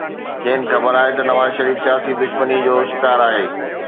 کين خبر آهي ته نواز شريف سياسي دشمني جو شڪار آهي.